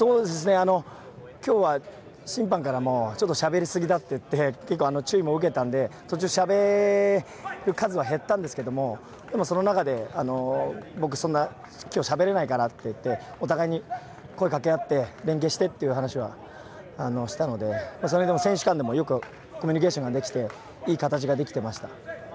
今日は、審判からもしゃべりすぎだといって結構、注意も受けたので途中しゃべる数は減ったんですがその中で、僕そんなに今日しゃべれないからって言ってお互い声をかけ合って連係してという話はしたのでそれは選手間でもコミュニケーションができていい形ができていました。